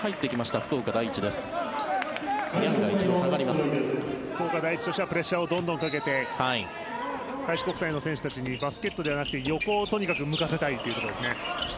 福岡第一としてはプレッシャーをどんどんかけて開志国際の選手たちにバスケットではなくて横をとにかく向かせたいというところですね。